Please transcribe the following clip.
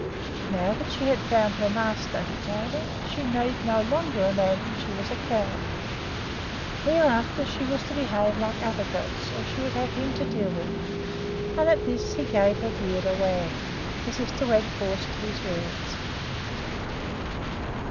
Now that she had found her master, he told her, she need no longer imagine that she was a cow. Hereafter she was to behave like other goats or she would have him to deal with; and at this he gave her beard a wag, as if to add force to his words.